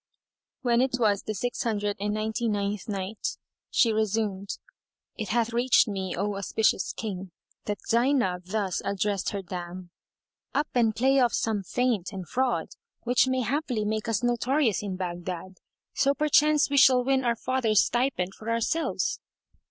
When it was the Six Hundred and Ninety ninth Night, She resumed, It hath reached me, O auspicious King, that Zaynab thus addressed her dam, "Up and play off some feint and fraud which may haply make us notorious in Baghdad, so perchance we shall win our father's stipend for ourselves."